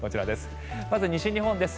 まず西日本です。